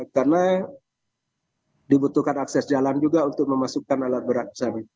karena dibutuhkan akses jalan juga untuk memasukkan alat berat